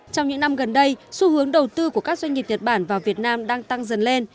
trong những năm gần đây xu hướng đầu tư của các doanh nghiệp nhật bản vào việt nam đang tăng dần lên